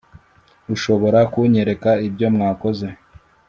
ushobora kunyereka ibyo mwakoze?